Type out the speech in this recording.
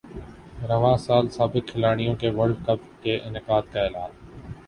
رواں سال سابق کھلاڑیوں کے ورلڈ کپ کے انعقاد کا اعلان